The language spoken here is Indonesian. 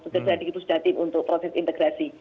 sudah jadi itu sudah tim untuk proses integrasi